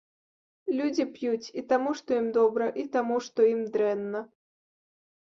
Людзі п'юць і таму, што ім добра, і таму, што ім дрэнна.